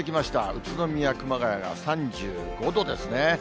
宇都宮、熊谷が３５度ですね。